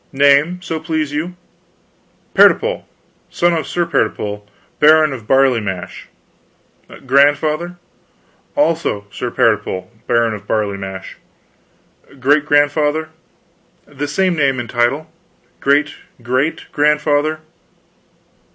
"Name, so please you?" "Pertipole, son of Sir Pertipole, Baron of Barley Mash." "Grandfather?" "Also Sir Pertipole, Baron of Barley Mash." "Great grandfather?" "The same name and title." "Great great grandfather?"